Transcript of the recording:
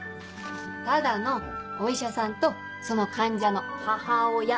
ただのお医者さんとその患者の母親。